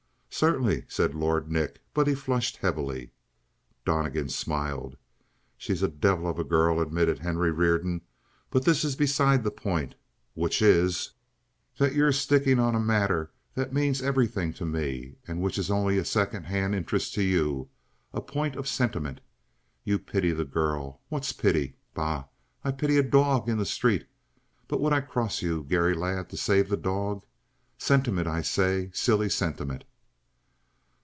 "Certainly," said Lord Nick, but he flushed heavily. Donnegan smiled. "She's a devil of a girl," admitted Henry Reardon. "But this is beside the point: which is, that you're sticking on a matter that means everything to me, and which is only a secondhand interest to you a point of sentiment. You pity the girl. What's pity? Bah! I pity a dog in the street, but would I cross you, Garry, lad, to save the dog? Sentiment, I say, silly sentiment."